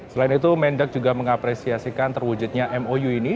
selain itu mendak juga mengapresiasikan terwujudnya mou ini